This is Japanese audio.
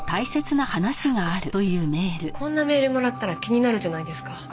だってこんなメールもらったら気になるじゃないですか。